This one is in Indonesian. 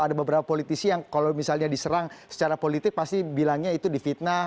ada beberapa politisi yang kalau misalnya diserang secara politik pasti bilangnya itu difitnah